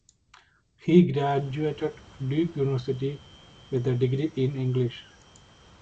He graduated Duke University with a degree in English.